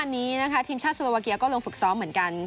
ทีมชาติโซโลวาเกียร์ก็ลงฝึกซ้อมเหมือนกัน